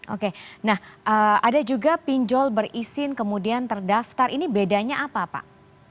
oke nah ada juga pinjol berizin kemudian terdaftar ini bedanya apa pak